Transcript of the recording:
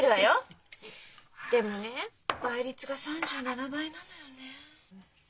でもね倍率が３７倍なのよねえ。